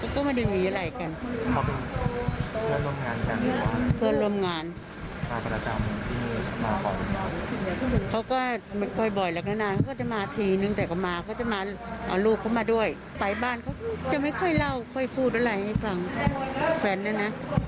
จะไม่ค่อยเล่าค่อยพูดอะไรให้ฟังแฟนนะ